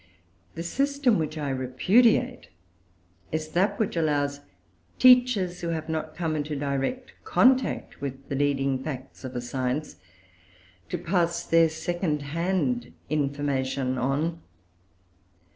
The system which I repudiate is that which allows teachers who have not come into direct contact with the leading facts of a science to pass their second hand information on.